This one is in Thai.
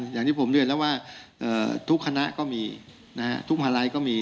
อย่างที่ผมเรียนแล้วว่าทุกคณะก็มีทุกมาลัยก็มี